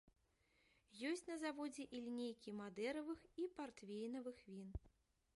Ёсць на заводзе і лінейкі мадэравых і партвейнавых він.